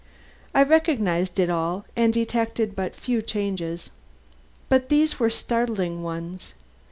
I recognized it all and detected but few changes. But these were startling ones.